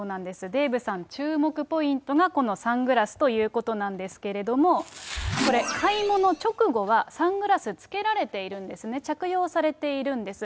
デーブさん注目ポイントがこのサングラスということなんですけれども、これ、買い物直後はサングラスつけられているんですね、着用されているんです。